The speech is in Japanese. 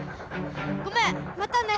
ごめんまたね！